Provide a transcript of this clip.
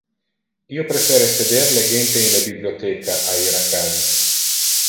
Io prefere seder legente in le bibliotheca a ir a casa.